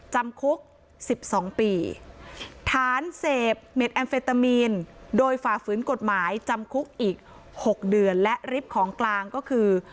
จำคุก๑๒ปีฐานเสพเม็ดแอมเฟตามีนโดยฝ่าฝืนกฎหมายจำคุกอีก๖เดือนและริบของกลางก็คือ